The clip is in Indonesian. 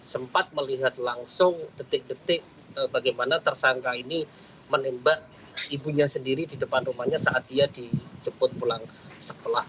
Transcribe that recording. sempat melihat langsung detik detik bagaimana tersangka ini menembak ibunya sendiri di depan rumahnya saat dia dijemput pulang sekolah